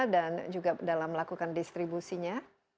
dan juga dalam melakukan distribusinya